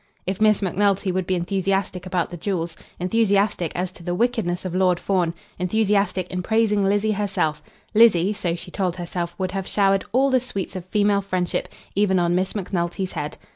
If Miss Macnulty would be enthusiastic about the jewels, enthusiastic as to the wickedness of Lord Fawn, enthusiastic in praising Lizzie herself, Lizzie, so she told herself, would have showered all the sweets of female friendship even on Miss Macnulty's head.